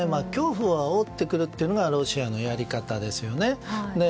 恐怖をあおってくるというのがロシアのやり方ですよね。